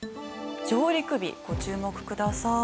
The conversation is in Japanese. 上陸日ご注目ください。